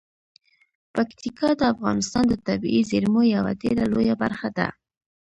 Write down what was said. پکتیکا د افغانستان د طبیعي زیرمو یوه ډیره لویه برخه ده.